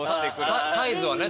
サイズはね